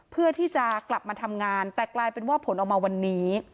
เพื่อที่จะกลับมาทำงานแต่กลายเป็นว่าผลออกมาวันนี้